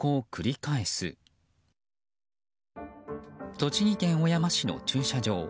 栃木県小山市の駐車場。